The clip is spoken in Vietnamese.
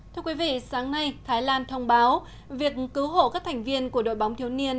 thưa quý vị sáng nay thái lan thông báo việc cứu hộ các thành viên của đội bóng thiếu niên